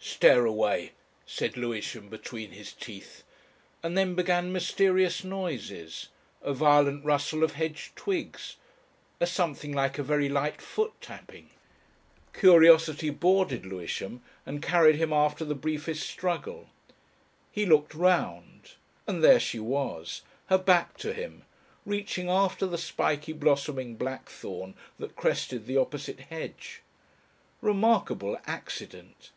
"Stare away," said Lewisham between his teeth. And then began mysterious noises, a violent rustle of hedge twigs, a something like a very light foot tapping. Curiosity boarded Lewisham and carried him after the briefest struggle. He looked round, and there she was, her back to him, reaching after the spiky blossoming blackthorn that crested the opposite hedge. Remarkable accident!